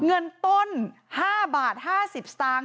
เงินต้น๕บาท๕๐สตางค์